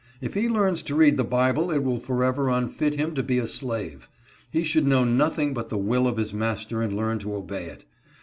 If he learns to read the Bible it will forever unfit him to be a slave. He should know nothing but the will of his master, and learn to obey it.